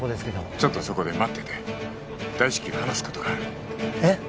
ちょっとそこで待ってて大至急話すことがあるえッ？